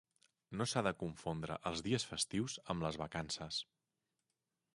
No s'ha de confondre els dies festius amb les vacances.